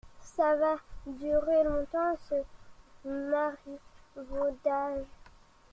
Ca va durer longtemps, ce marivaudage ?…